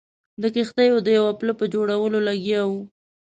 د کښتیو د یوه پله په جوړولو لګیا وو.